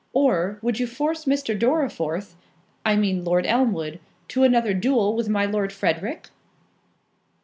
Or, would you force Mr. Dorriforth (I mean Lord Elmwood) to another duel with my Lord Frederick?"